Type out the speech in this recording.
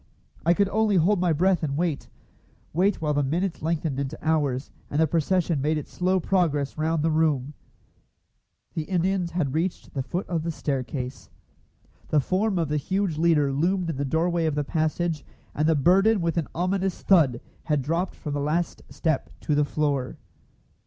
I could only hold my breath and wait wait while the minutes lengthened into hours, and the procession made its slow progress round the room. The Indians had reached the foot of the staircase. The form of the huge leader loomed in the doorway of the passage, and the burden with an ominous thud had dropped from the last step to the floor.